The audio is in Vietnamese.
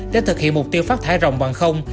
để thực hiện mục tiêu phát thải rộng bằng không